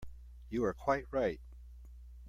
You are quite right.